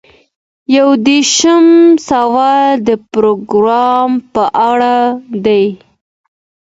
یو دېرشم سوال د پروګرام په اړه دی.